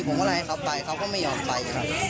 ผมก็ไล่เขาไปเขาก็ไม่ยอมไป